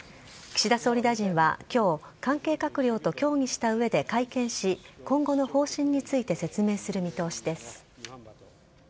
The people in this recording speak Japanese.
岸田総理大臣はきょう、関係閣僚と協議したうえで会見し、今後の方針について説明する見通しです。